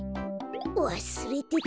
わすれてた。